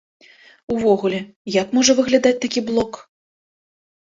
Увогуле, як можа выглядаць такі блок?